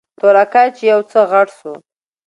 تورکى چې يو څه غټ سو.